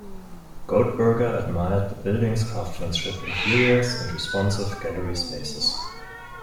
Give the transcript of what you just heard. Goldberger admired the building's craftsmanship, interiors, and responsive gallery spaces.